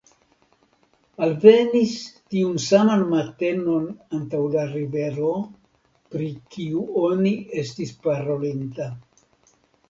Alvenis tiun saman matenon antaŭ la rivero, pri kiu oni estis parolinta.